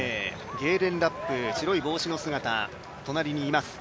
ゲーレン・ラップ白い帽子の姿、隣にいます。